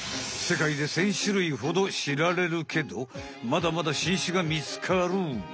世界で１０００種類ほどしられるけどまだまだ新種がみつかる。